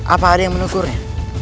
apa ada yang menukurnya